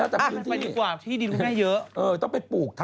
ฉันไปปลูกอ้อย